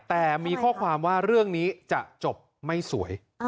แต่มีข้อความว่าเรื่องนี้จะจบไม่สวย